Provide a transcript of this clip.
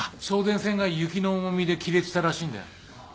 送電線が雪の重みで切れてたらしいんだよ。